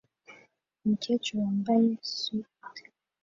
Umukecuru wambaye swater